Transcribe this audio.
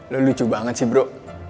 lu lucu banget sih bro